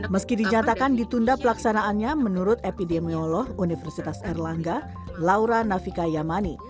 meski dinyatakan ditunda pelaksanaannya menurut epidemiolog universitas erlangga laura navika yamani